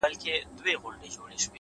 زحمت د هیلو کښت خړوبوي؛